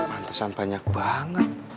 mantesan banyak banget